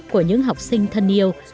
của những học sinh thân yêu